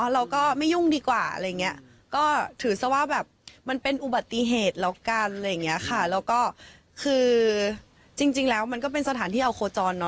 แล้วก็คือจริงแล้วมันก็เป็นสถานที่เอาโคจรเนอะ